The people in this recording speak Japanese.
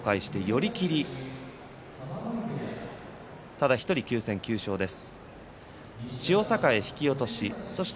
ただ１人９戦９勝です。